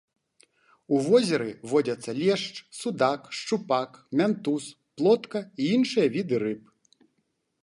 У возеры водзяцца лешч, судак, шчупак, мянтуз, плотка і іншыя віды рыб.